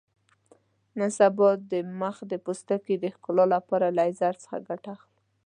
نن سبا د مخ د پوستکي د ښکلا لپاره له لیزر څخه ګټه اخلو.